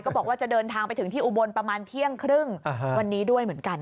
บอกว่าจะเดินทางไปถึงที่อุบลประมาณเที่ยงครึ่งวันนี้ด้วยเหมือนกัน